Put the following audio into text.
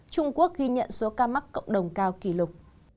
trung quốc ghi nhận số ca mắc cộng đồng cao kỷ lục